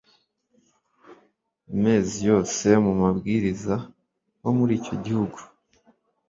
mezi yose Mu babwiriza bo muri icyo gihugu